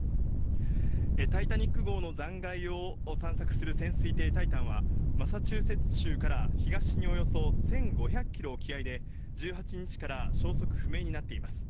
タイタニック号の残骸を探索する潜水艇タイタンは、マサチューセッツ州から東におよそ１５００キロ沖合で、１８日から消息不明になっています。